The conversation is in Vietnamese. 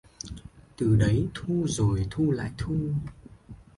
Từ đấy thu rồi thu lại thu